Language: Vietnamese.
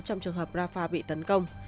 trong trường hợp rafah bị tấn công